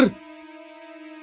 dan sekarang kau menggunakan sihir